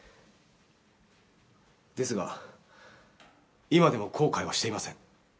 ですが今でも後悔はしていません。